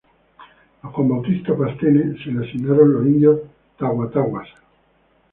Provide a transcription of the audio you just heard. A Juan Bautista Pastene se le asignaron los indios tagua-taguas.